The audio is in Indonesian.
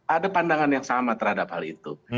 ada pandangan yang sama terhadap hal itu